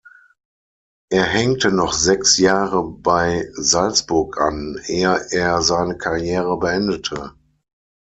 Er hängte noch sechs Jahre bei Salzburg an, ehe er seine Karriere beendete.